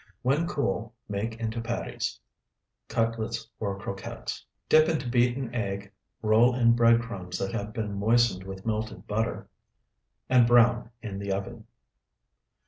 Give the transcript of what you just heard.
When cool, make into patties, cutlets, or croquettes. Dip into beaten egg, roll in bread crumbs that have been moistened with melted butter, and brown in the oven.